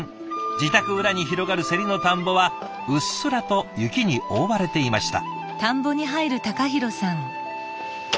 自宅裏に広がるせりの田んぼはうっすらと雪に覆われていました。